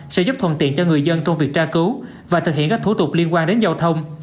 sẽ giúp thuận tiện cho người dân trong việc tra cứu và thực hiện các thủ tục liên quan đến giao thông